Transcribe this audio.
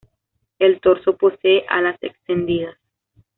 El torso posee alas extendidas.